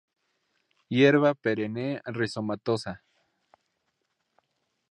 Hierba perenne rizomatosa.